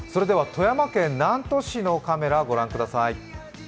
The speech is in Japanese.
富山県南砺市のカメラ、御覧ください。